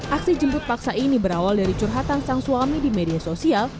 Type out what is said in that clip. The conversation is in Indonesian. aksi jemput paksa ini berawal dari curhatan sang suami di media sosial